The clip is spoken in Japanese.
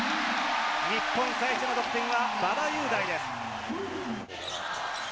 日本最初の得点は馬場雄大です。